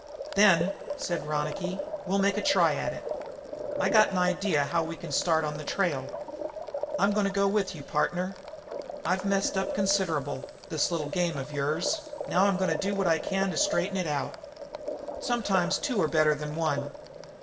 "Then," said Ronicky, "we'll make a try at it. I got an idea how we can start on the trail. I'm going to go with you, partner. I've messed up considerable, this little game of yours; now I'm going to do what I can to straighten it out. Sometimes two are better than one.